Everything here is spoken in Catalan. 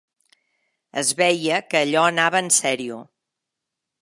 Es veia que allò anava en serio.